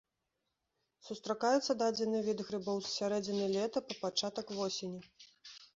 Сустракаецца дадзены від грыбоў з сярэдзіны лета па пачатак восені.